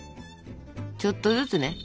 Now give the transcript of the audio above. ちょっとずつね。